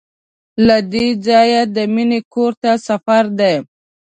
له دې ځایه د مینې کور ته سفر دی.